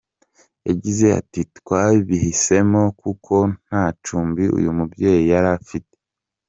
Yagize ati “ Twabihisemo kuko nta cumbi uyu mubyeyi yari afite.